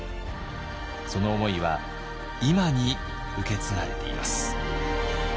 その思いは今に受け継がれています。